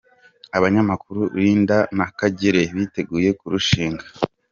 Abanyamakuru linda na Kagire biteguye kurushinga